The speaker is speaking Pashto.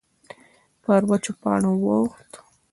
پر وچو پاڼو وخوت.